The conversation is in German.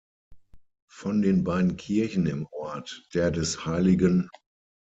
Von den beiden Kirchen im Ort, der des Hl.